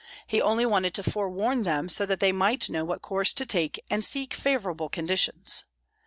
He only wanted to forewarn them so that they might know what course to take and seek favorable conditions.